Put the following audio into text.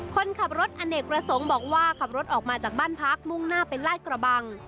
คนขับรถอเนกประสงค์บอกว่าขับรถออกมาจากบ้านพักมุ่งหน้าเป็นลาดกระบัง